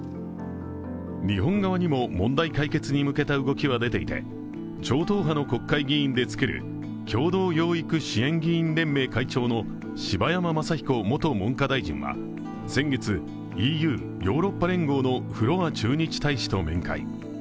日本側にも問題解決に向けた動きは出ていて、超党派の国会議員で作る共同養育支援議員連盟会長の柴山昌彦元文科大臣は先月ＥＵ＝ヨーロッパ連合のフロア駐日大使と面会。